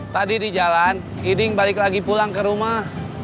tadi di jalan iding balik lagi pulang ke rumah